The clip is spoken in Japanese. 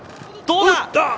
どうだ？